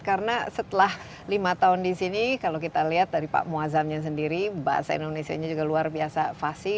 karena setelah lima tahun di sini kalau kita lihat dari pak muazzamnya sendiri bahasa indonesia nya juga luar biasa fasi